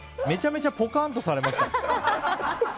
めちゃめちゃポカンとされました。